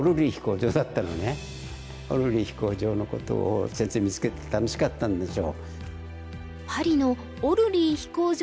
オルリー飛行場のことを先生見つけて楽しかったんでしょう。